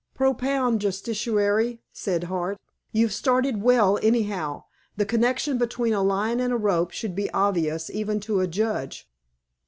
"Propound, justiciary," said Hart. "You've started well, anyhow. The connection between a line and a rope should be obvious even to a judge....